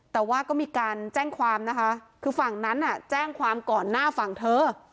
แต่ว่าก็มีการแจ้งความนะคะคือฝั่งนั้นน่ะแจ้งความก่อนหน้าฝั่งเธอ